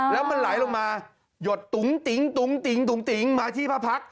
แล้วมันไหลลงมาหยดตุ๋งติ๋งตุ๋งติ๋งตุ๋งติ๋งมาที่พระพัก